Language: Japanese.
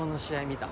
見た？